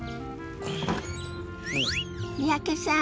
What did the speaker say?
三宅さん